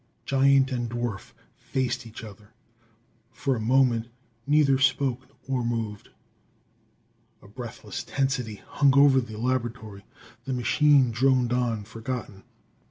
Giant and dwarf faced each other. For a moment neither spoke or moved. A breathless tensity hung over the laboratory. The machine droned on, forgotten.